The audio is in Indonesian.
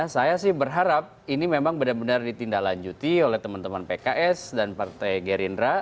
saya sih berharap ini memang benar benar ditindaklanjuti oleh teman teman pks dan partai gerindra